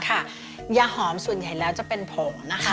ยาหอมส่วนใหญ่แล้วจะเป็นผงนะคะ